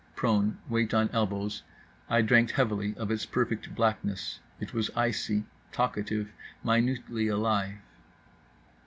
Prone, weight on elbows, I drank heavily of its perfect blackness. It was icy, talkative, minutely alive.